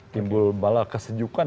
timbul bala kesejukan